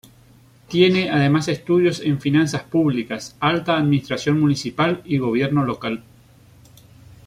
Tiene además estudios en finanzas públicas, alta administración municipal y gobierno local.